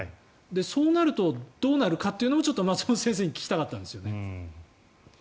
そうなるとどうなるかというのも松本先生に聞きたかったんですよね。